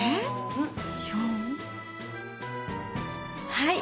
はい！